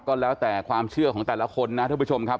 ก็แล้วแต่ความเชื่อของแต่ละคนนะท่านผู้ชมครับ